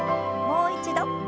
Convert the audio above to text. もう一度。